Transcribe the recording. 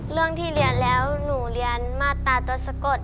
เรื่องที่เรียนแล้วหนูเรียนมาตราตัวสะกด